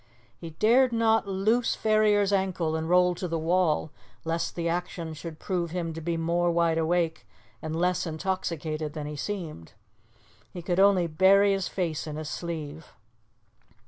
He dared not loose Ferrier's ankle and roll to the wall, lest the action should prove him to be more wideawake and less intoxicated than he seemed. He could only bury his face in his sleeve.